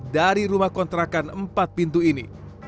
dari rumah kontrakan empat pintu ini